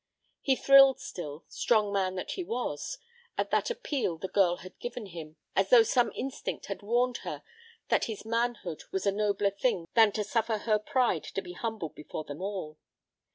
He thrilled still, strong man that he was, at that appeal the girl had given him, as though some instinct had warned her that his manhood was a nobler thing than to suffer her pride to be humbled before them all.